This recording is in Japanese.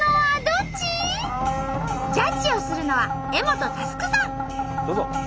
どうぞ！